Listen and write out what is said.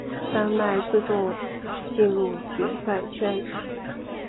丹麦自动进入决赛圈。